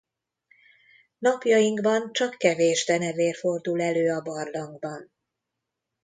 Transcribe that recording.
Napjainkban csak kevés denevér fordul elő a barlangban.